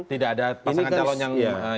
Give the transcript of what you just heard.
tidak ada pasangan calon yang